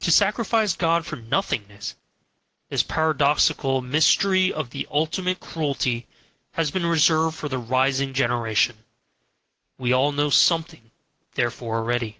To sacrifice God for nothingness this paradoxical mystery of the ultimate cruelty has been reserved for the rising generation; we all know something thereof already.